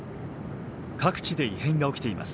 各地で異変が起きています。